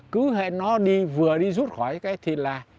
cứ hay nó đi vừa đi rút khỏi cái thì là